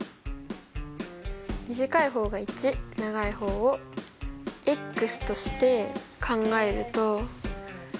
短い方が１長い方をとして考えると。